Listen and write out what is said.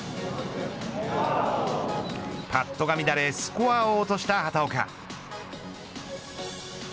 パットが乱れスコアを落とした畑岡。